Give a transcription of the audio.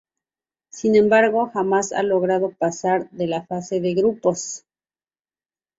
Sin embargo, jamás ha logrado pasar de la fase de grupos.